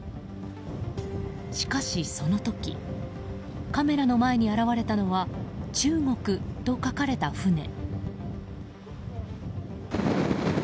しかし、その時カメラの前に現れたのは「中国」と書かれた船。